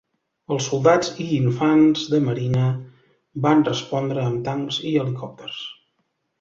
Els soldats i infants de marina van respondre amb tancs i helicòpters.